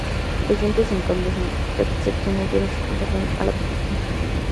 Los dientes, en cambio, son excepcionalmente duros y se conservan a la perfección.